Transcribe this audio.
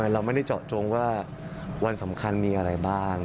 เราไม่ได้เจาะจงว่าวันสำคัญมีอะไรบ้าง